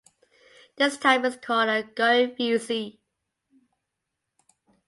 This type is called a "going fusee".